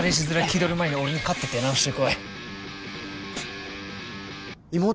気取る前に俺に勝って出直してこい妹？